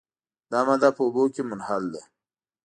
دا ماده په اوبو کې منحل ده.